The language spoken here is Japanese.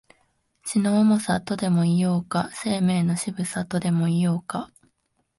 血の重さ、とでも言おうか、生命の渋さ、とでも言おうか、